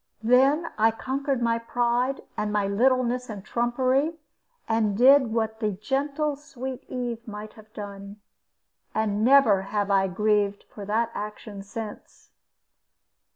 Then I conquered my pride and my littleness and trumpery, and did what the gentle sweet Eve might have done. And never have I grieved for that action since.